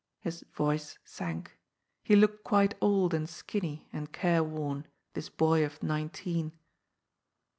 His voice sank. He looked quite old and skinny and careworn, this boy of nineteen.